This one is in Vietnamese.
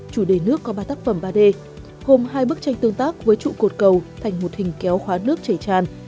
chủ đề nước có ba tác phẩm ba d hôm hai bức tranh tương tác với trụ cột cầu thành một hình kéo khóa nước chảy tràn